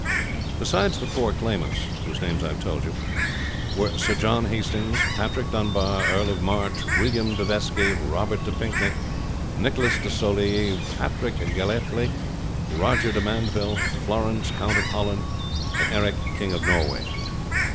"Besides the four claimants, whose names I have told you, were Sir John Hastings, Patrick Dunbar, Earl of March, William de Vesci, Robert de Pinkeny, Nicholas de Soulis, Patrick Galythly, Roger de Mandeville, Florence, Count of Holland, and Eric, King of Norway.